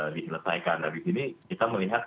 diselesaikan habis ini kita melihat